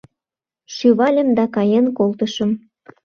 Шӱвальым да каен колтышым...